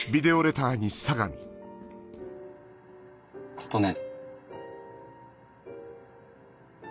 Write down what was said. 琴音。